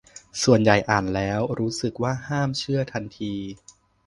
ส่วนใหญ่อ่านแล้วรู้สึกว่าห้ามเชื่อทันที